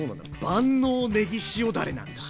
万能ねぎ塩だれなんだ！